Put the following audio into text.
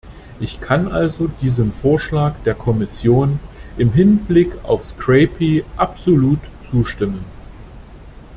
Ich kann also diesem Vorschlag der Kommission im Hinblick auf Scrapie absolut zustimmen.